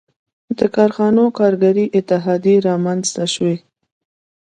• د کارخانو کارګري اتحادیې رامنځته شوې.